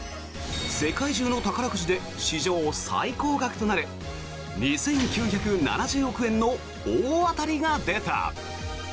世界中の宝くじで史上最高額となる２９７０億円の大当たりが出た。